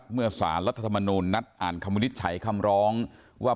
เมื่อสารรัฐธรรมนูญนัดอ่านคำวินิจฉัยคำร้องว่า